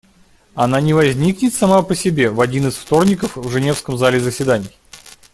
Она не возникнет сама по себе в один из вторников в женевском зале заседаний.